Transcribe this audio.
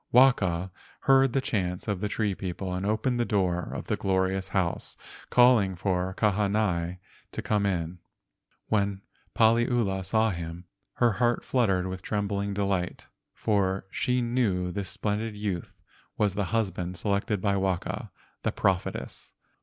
Waka heard the chants of the tree people and opened the door of the glorious house, calling for Kahanai to come in. When Paliula saw him, her heart fluttered with trembling delight, for she knew this splendid youth was the husband selected by Waka, the prophetess.